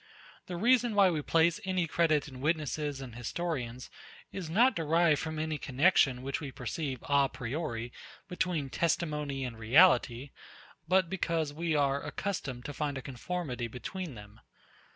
The reason why we place any credit in witnesses and historians, is not derived from any connexion, which we perceive a priori, between testimony and reality, but because we are accustomed to find a conformity between them.